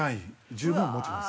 十分もちます。